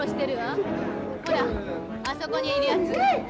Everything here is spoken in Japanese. ほらあそこにいるやつ。